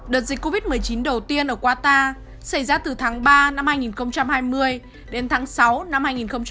đợt dịch covid một mươi chín đầu tiên ở qatar xảy ra từ tháng ba năm hai nghìn hai mươi đến tháng sáu năm hai nghìn hai mươi